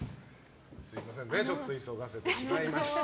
すみませんね急がせてしまいまして。